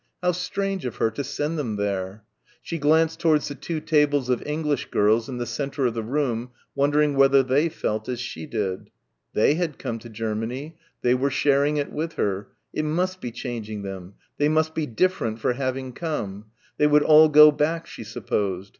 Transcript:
How strange of her to send them there.... She glanced towards the two tables of English girls in the centre of the room wondering whether they felt as she did.... They had come to Germany. They were sharing it with her. It must be changing them. They must be different for having come. They would all go back she supposed.